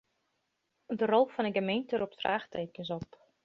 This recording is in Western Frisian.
De rol fan 'e gemeente ropt fraachtekens op.